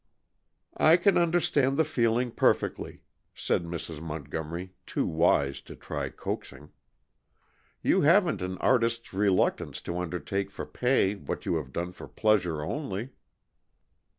"I can understand the feeling perfectly," said Mrs. Montgomery, too wise to try coaxing. "You have an artist's reluctance to undertake for pay what you have done for pleasure only."